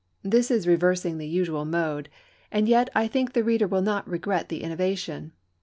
This is reversing the usual mode, and yet I think the reader will not regret the innovation.